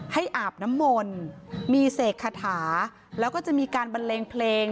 อาบน้ำมนต์มีเสกคาถาแล้วก็จะมีการบันเลงเพลง